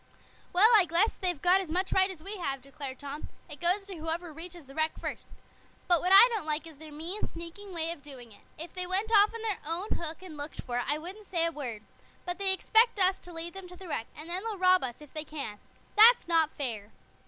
"Well, I guess they've got as much right as we have," declared Tom. "It goes to whoever reaches the wreck first. But what I don't like is their mean, sneaking way of doing it. If they went off on their own hook and looked for it I wouldn't say a word. But they expect us to lead them to the wreck, and then they'll rob us if they can. That's not fair."